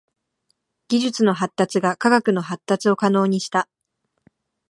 技術の発達が科学の発達を可能にした。